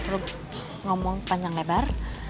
cukup lu gak perlu ngomong panjang lebar